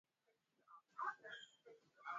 Kumikini banapikiaka na nkuni